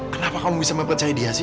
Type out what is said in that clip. kenapa kamu bisa mempercaya dia sih